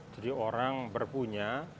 jadi orang berpunya